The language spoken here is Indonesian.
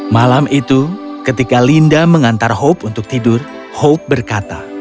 malam itu ketika linda mengantar hope untuk tidur hope berkata